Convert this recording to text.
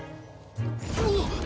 うわっ！？